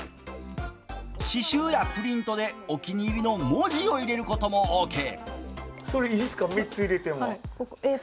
刺しゅうやプリントでお気に入りの文字を入れることもオーケー。